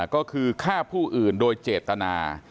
ก็คือฆ่าผู้อื่นโดยเจตนา